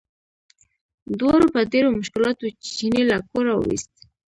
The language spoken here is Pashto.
دواړو په ډېرو مشکلاتو چیني له کوره وویست.